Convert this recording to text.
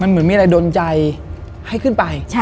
เหมือนมีอะไรดนใจให้ขึ้นไป